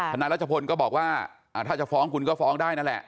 นายรัชพลก็บอกว่าถ้าจะฟ้องคุณก็ฟ้องได้นั่นแหละ